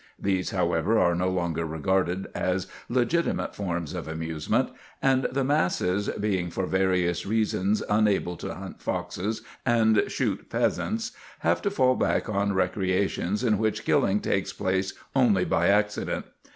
These, however, are no longer regarded as legitimate forms of amusement, and the masses, being for various reasons unable to hunt foxes and shoot pheasants, have to fall back on recreations in which killing takes place only by accident.